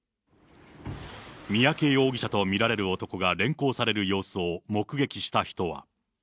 三宅容疑者と見られる男が連行される様子を目撃した人は。